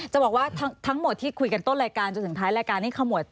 จะบอกว่าทั้งหมดที่คุยกันต้นรายการจนถึงท้ายรายการนี้ขมวด